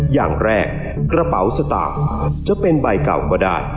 อย่างแรกกระเป๋าสตางค์จะเป็นใบเก่าก็ได้